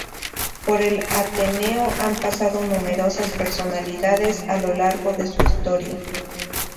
Por el Ateneo han pasado numerosas personalidades a lo largo de su historia.